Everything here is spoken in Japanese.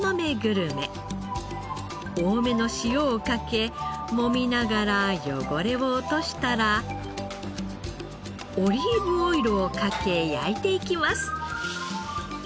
多めの塩をかけもみながら汚れを落としたらオリーブオイルをかけ焼いていきます。